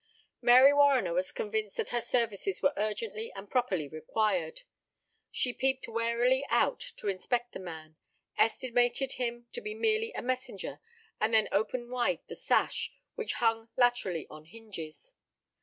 Mary Warriner was convinced that her services were urgently and properly required. She peeped warily out to inspect the man, estimated him to be merely a messenger, and then opened wide the sash, which swung laterally on hinges.